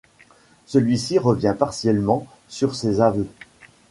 Celui-ci revient partiellement sur ses aveux.